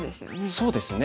そうですね。